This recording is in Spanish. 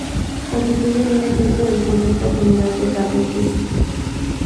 Constituyen un ejemplo del concepto general de carga en física.